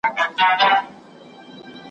خو چي ښه نه وي درته غلیم سي ,